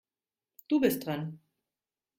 Du bist dran.